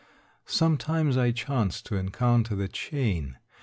Sometimes I chanced to encounter the chain.